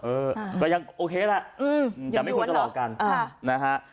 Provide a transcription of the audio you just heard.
เออก็ยังโอเคแหละแต่ไม่ควรจะหลอกกันนะฮะ